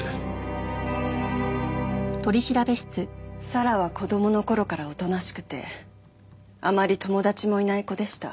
咲良は子供の頃からおとなしくてあまり友達もいない子でした。